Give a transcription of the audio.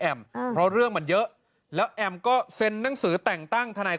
เพราะเรื่องมันเยอะแล้วแอมก็เซ็นหนังสือแต่งตั้งทนาย